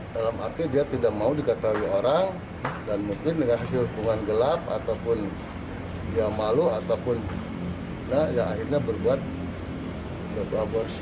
dalam arti dia tidak mau diketahui orang dan mungkin dengan hasil hubungan gelap ataupun dia malu ataupun akhirnya berbuat suatu aborsi